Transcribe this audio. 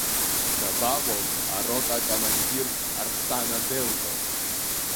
Дабаҟоу арота акомандир Арсана Делба?